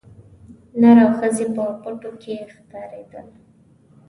نر او ښځي په پټو کښي ښکارېدل